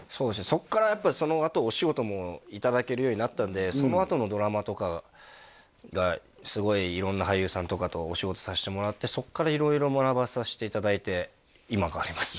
そっからやっぱそのあとお仕事もいただけるようになったんでそのあとのドラマとかがすごい色んな俳優さんとかとお仕事させてもらってそっから色々学ばさせていただいて今がありますね